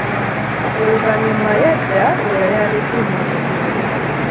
Oluvanyuma yadda we yali alesse emmotoka.